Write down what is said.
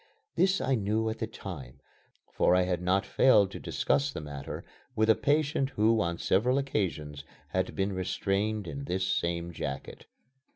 This I knew at the time, for I had not failed to discuss the matter with a patient who on several occasions had been restrained in this same jacket.